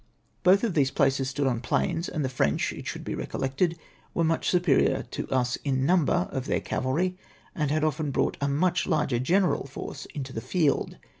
Both these places stood on plains , and the French, it should be recollected, were much superior to us in the number of their cavalry, and had often brought a much larger general force into the field.